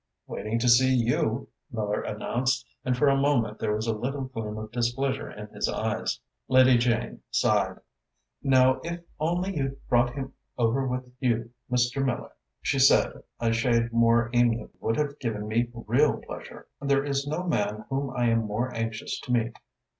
"Waiting to see you," Miller announced, and for a moment there was a little gleam of displeasure in his eyes. Lady Jane sighed. "Now, if only you'd brought him over with you, Mr. Miller," she said, a shade more amiably, "you would have given me real pleasure. There is no man whom I am more anxious to meet."